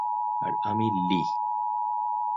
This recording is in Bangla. আর আমি লিহ।